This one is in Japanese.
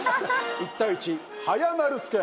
「１対１早丸つけ」。